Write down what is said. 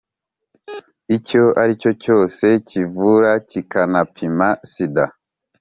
icyo aricyo cyose kivura kikanapima sida